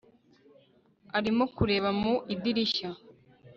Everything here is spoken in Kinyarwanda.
arimo kureba mu idirishya